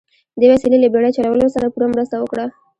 دې وسیلې له بیړۍ چلولو سره پوره مرسته وکړه.